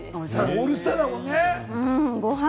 オールスターだもんね。